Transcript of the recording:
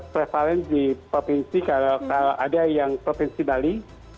prevalent di provinsi kalau ada yang provinsi bali